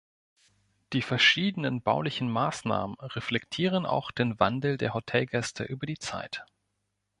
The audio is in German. Die verschiedenen baulichen Massnahmen reflektieren auch den Wandel der Hotelgäste über die Zeit.